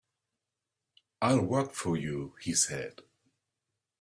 "I'll work for you," he said.